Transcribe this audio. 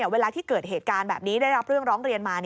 เวลาที่เกิดเหตุการณ์แบบนี้ได้รับเรื่องร้องเรียนมา